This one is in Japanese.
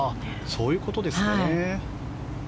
そういうことですね。